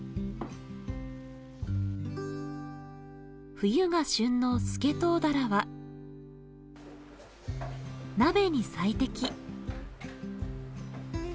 冬が旬のスケトウダラは鍋に最適。